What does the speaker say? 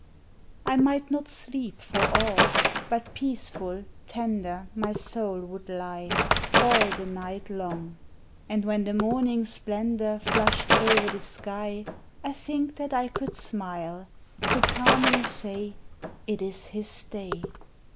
I might not sleep for awe; but peaceful, tendec My soul would lie All the night long; and when the morning splen dor Flushed o'er the sky, I think that I could smile — could calmly say, " It is his day."